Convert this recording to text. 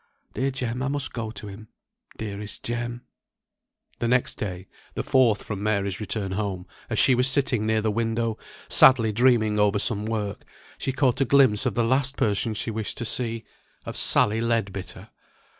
Dear Jem, I must go to him, dearest Jem." The next day, the fourth from Mary's return home, as she was sitting near the window, sadly dreaming over some work, she caught a glimpse of the last person she wished to see of Sally Leadbitter!